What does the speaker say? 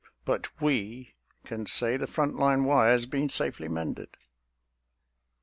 But we can say the front line wire's been safely mended.